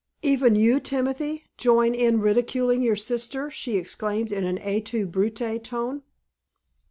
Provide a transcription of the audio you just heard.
"Even you, Timothy, join in ridiculing your sister!" she exclaimed, in an 'Et tu Brute,' tone.